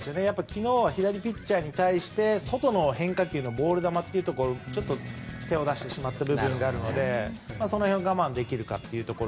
昨日は左ピッチャーに対して外の変化球のボール球に手を出してしまった部分があるのでその辺を我慢できるかというところ。